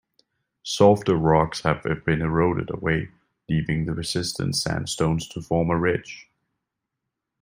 Softer rocks have been eroded away, leaving the resistant sandstones to form a ridge.